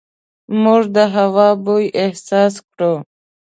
موږ د هوا بوی احساس کړو.